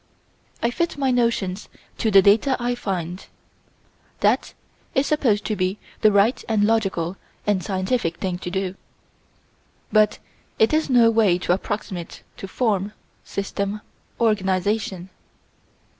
I fit my notions to the data I find. That is supposed to be the right and logical and scientific thing to do; but it is no way to approximate to form, system, organization.